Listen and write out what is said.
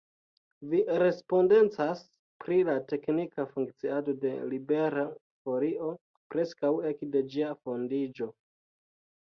Vi respondecas pri la teknika funkciado de Libera Folio preskaŭ ekde ĝia fondiĝo.